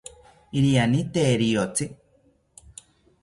Iriani tee riyotzi